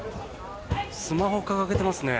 スマホを掲げてますね。